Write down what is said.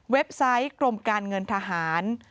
ไซต์กรมการเงินทหาร